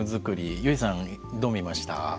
結さん、どう見ました？